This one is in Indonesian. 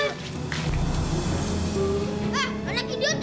hah anak hidia tuh